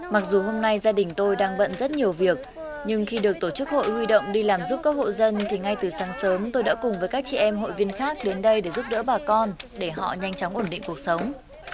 mặc dù hôm nay gia đình tôi đang bận rất nhiều việc nhưng khi được tổ chức hội huy động đi làm giúp các hộ dân thì ngay từ sáng sớm tôi đã cùng với các chị em hội viên khác đến đây để giúp đỡ bà con để họ nhanh chóng ổn định cuộc sống